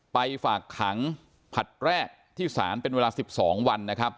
ไปฝากขังผลัดแรกที่สารเป็นเวลา๑๒วัน